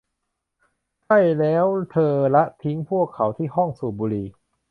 ใช่แล้วเธอละทิ้งพวกเขาที่ห้องสูบบุหรี่